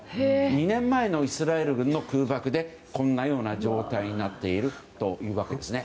２年前のイスラエル軍の空爆でこんな状態になっているというわけですね。